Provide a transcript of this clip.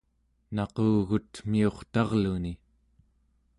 naqugutmiutarluni